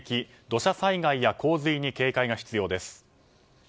土砂災害や洪水に警戒が必要です。